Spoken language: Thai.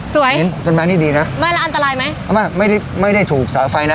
เห็นต้นไม้นี่ดีนะไม่แล้วอันตรายไหมไม่ได้ไม่ได้ถูกเสาไฟนะ